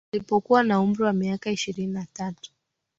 Alipo kuwa na umri wa miaka ishirini na tatu